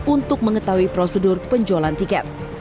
untuk mengetahui prosedur penjualan tiket